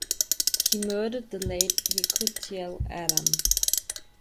He murdered the late Yekutiel Adam.